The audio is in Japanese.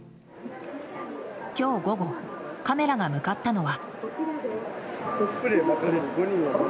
今日午後カメラが向かったのは。